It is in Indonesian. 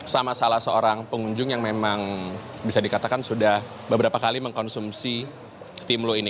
sama salah seorang pengunjung yang memang bisa dikatakan sudah beberapa kali mengkonsumsi timlo ini